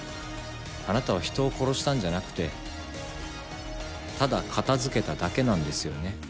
あなたは人を殺したんじゃなくてただ片付けただけなんですよね？